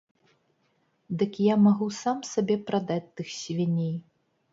Дык я магу сам сабе прадаць тых свіней.